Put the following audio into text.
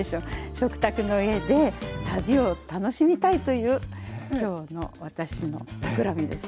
食卓の家で旅を楽しみたいというきょうの私のたくらみです。